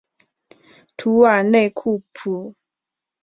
图尔内库普。